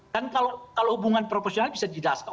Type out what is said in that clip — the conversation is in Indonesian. kan kalau hubungan proporsional bisa dijelaskan